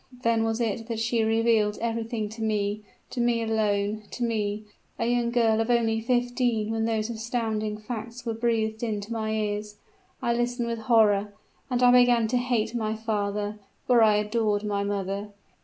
Then was it that she revealed everything to me to me alone to me, a young girl of only fifteen when those astounding facts were breathed into my ears. I listened with horror, and I began to hate my father, for I adored my mother.